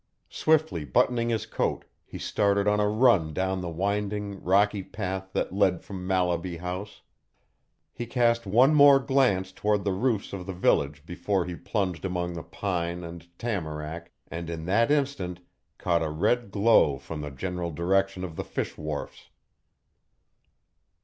Swiftly buttoning his coat, he started on a run down the winding, rocky path that led from Mallaby House. He cast one more glance toward the roofs of the village before he plunged among the pine and tamarack, and in that instant caught a red glow from the general direction of the fish wharfs.